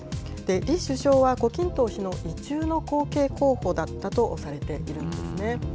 李首相は胡錦涛氏の意中の後継候補だったとされているんですね。